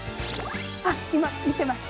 あっ今見てました。